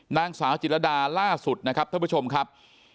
นางสาวจิรดาล่าสุดนะครับท่านผู้ชมครับ